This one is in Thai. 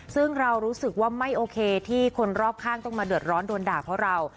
ซึ่งเรารู้สึกว่าไม่โอเคที่คนรอบข้างต้องมาเดือดร้อนโดนด่าเพราะเรา